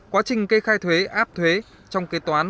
quá trình kê khai thuế áp thuế trong kế toán